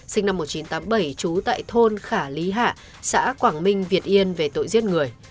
sinh năm một nghìn chín trăm tám mươi bảy trú tại thôn khà lý hạ xã quảng minh việt yên về tội giết người